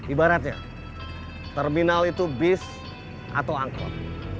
ibaratnya terminal itu bis atau angkot